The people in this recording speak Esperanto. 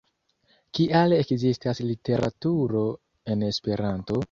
Kial ekzistas literaturo en Esperanto?